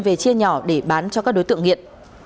về chia nhỏ để bán cho các đối tượng nghiện